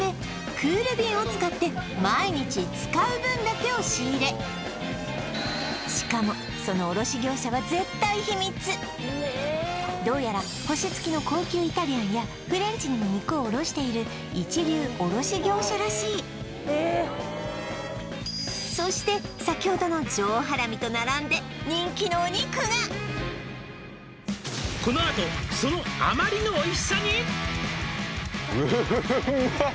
クール便を使って毎日使う分だけを仕入れしかもその卸業者は絶対秘密どうやら星付きの高級イタリアンやフレンチにも肉を卸している一流卸業者らしいえそして先ほどの上ハラミと並んで人気のお肉が「このあとそのあまりのおいしさに」